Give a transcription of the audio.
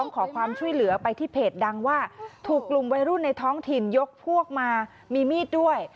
ขอความช่วยเหลือไปที่เพจดังว่าถูกกลุ่มวัยรุ่นในท้องถิ่นยกพวกมามีมีดด้วย